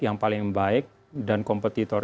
yang paling baik dan kompetitor